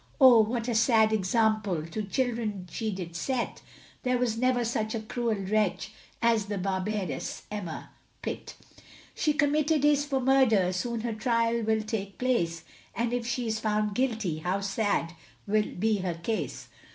Oh, what a sad example, To children she did set, There was never such a cruel wretch, As the barbarous Emma Pitt. She committed is for murder, Soon her trial will take place, And if she is found guilty, How sad will be her case.